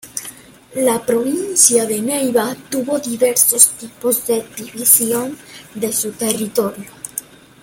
La provincia de Neiva tuvo diversos tipos de división de su territorio.